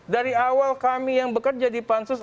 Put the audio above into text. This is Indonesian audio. dari awal kami yang bekerja di pansus